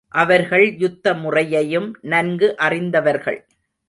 அவர்கள் யுத்த முறையையும் நன்கு அறிந்தவர்கள்.